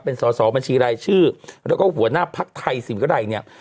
เป็นสอสอบัญชีรายชื่อแล้วก็หัวหน้าภักดิ์ไทยสิ่งวิรัยเนี่ย